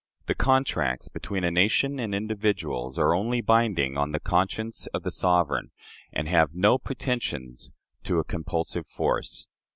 The contracts between a nation and individuals are only binding on the conscience of the sovereign, and have no pretensions to a compulsive force.